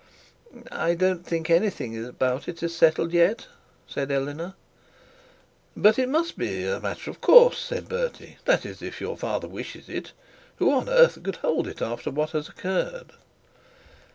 'I don't think anything about it is settled yet,' said Eleanor. 'But it must be a matter of course,' said Bertie; 'that is, if your father wishes it; who else on earth could hold it after what has occurred?'